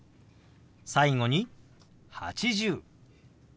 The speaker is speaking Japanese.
最後に「８０」。